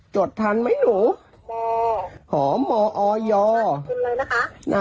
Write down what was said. จดทันไหมหนูมหอมออยทุนอะไรนะคะ